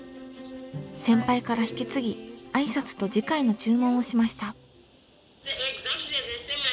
先輩から引き継ぎ挨拶と次回の注文をしました。